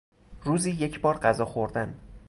روزی یک بار غذا خوردن